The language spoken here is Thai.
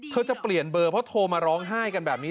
จะเปลี่ยนเบอร์เพราะโทรมาร้องไห้กันแบบนี้